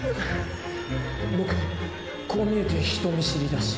僕こう見えて人見知りだし。